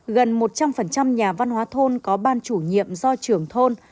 gần một trăm linh nhà văn hóa thôn có ban chủ nhiệm do trưởng thôn